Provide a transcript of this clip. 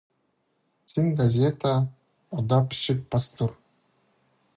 Син газетаа удаа пічік пас тур.